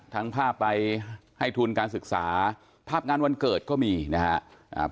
ทั้งภาพไปให้ทุนการศึกษาภาพงานวันเกิดก็มีนะครับ